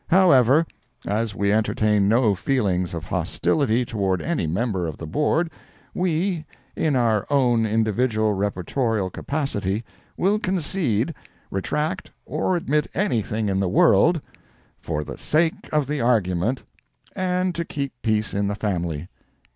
However, as we entertain no feelings of hostility toward any member of the Board, we, in our own individual reportorial capacity, will concede, retract or admit anything in the world, "for the sake of the argument," and to keep peace in the family.